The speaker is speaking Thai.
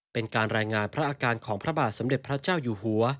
เป็นการรายงานพระอาการของพระบาทสมเด็จพระเจ้าอยู่หัว